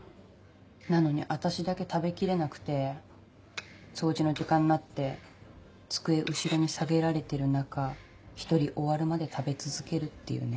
なのに私だけ食べ切れなくて掃除の時間になって机後ろに下げられてる中１人終わるまで食べ続けるっていうね。